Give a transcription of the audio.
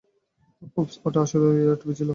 ওপস, ওটা আসলে টুপি ছিল।